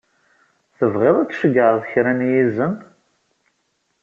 Tebɣiḍ ad tceyyɛeḍ kra n yizen?